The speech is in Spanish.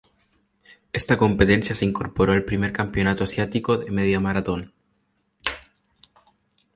Esta competencia se incorporó al primer Campeonato Asiático de Media Maratón.